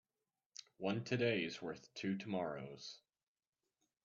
One today is worth two tomorrows.